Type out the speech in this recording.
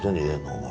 お前。